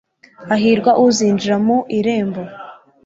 hahirwa uzinjira mu irembo